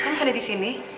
kamu ada di sini